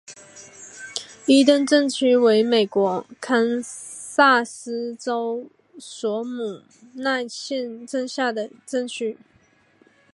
伊登镇区为美国堪萨斯州索姆奈县辖下的镇区。